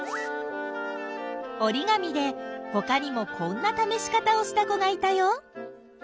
おりがみでほかにもこんなためし方をした子がいたよ。